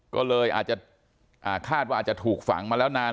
ก็เลยอาจจะคาดว่าอาจจะถูกฝังมาแล้วนาน